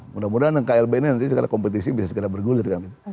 mudah mudahan klb ini nanti kompetisi bisa bergulir